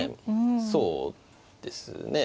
そうですね。